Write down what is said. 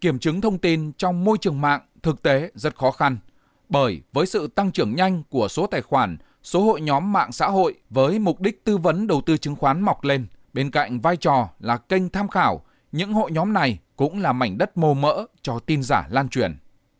kiểm chứng thông tin trong môi trường mạng thực tế rất khó khăn bởi với sự tăng trưởng nhanh của số tài khoản số hội nhóm mạng xã hội với mục đích tư vấn đầu tư chứng khoán mọc lên bên cạnh vai trò là kênh tham khảo những hội nhóm này cũng là mảnh đất mồ mỡ cho tin giả lan truyền